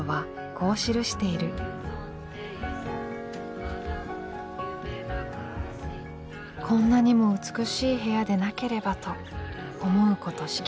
「こんなにも美しい部屋でなければと思うことしきりである」。